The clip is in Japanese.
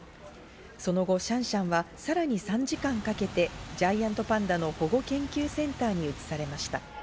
その後、シャンシャンはさらに３時間かけてジャイアントパンダの保護研究センターに移されました。